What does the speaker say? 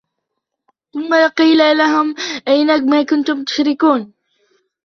ثم قيل لهم أين ما كنتم تشركون